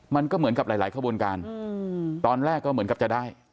มันก็เหมือนกับหลายขบวนการตอนแรกก็เหมือนกับจะได้